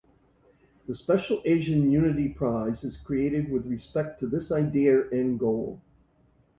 The "Special Asian Unity Prize" is created with respect to this idea and goal.